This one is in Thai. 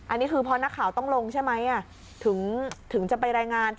อันนี้คือพอนักข่าวต้องลงใช่ไหมถึงจะไปรายงาน